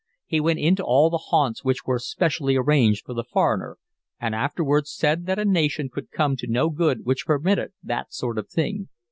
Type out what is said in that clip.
He went into all the haunts which were specially arranged for the foreigner, and afterwards said that a nation could come to no good which permitted that sort of thing.